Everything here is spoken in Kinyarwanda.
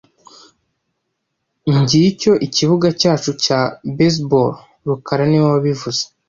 Ngicyo ikibuga cyacu cya baseball rukara niwe wabivuze